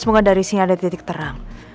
semoga dari sini ada titik terang